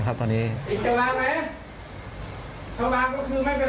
เองจะเอายังไงถ้าเองวางก็คือจบ